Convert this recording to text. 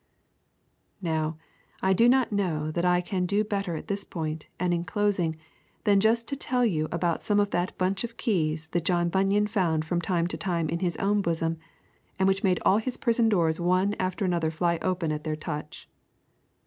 Now, I do not know that I can do better at this point, and in closing, than just to tell you about some of that bunch of keys that John Bunyan found from time to time in his own bosom, and which made all his prison doors one after another fly open at their touch.